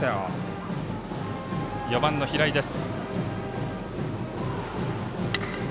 ４番、平井です。